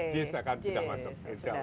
jis akan sudah masuk insya allah